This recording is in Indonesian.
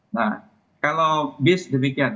nah kalau bis demikian